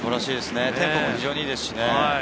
テンポも非常にいいです